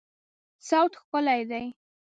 صوت ښکلی دی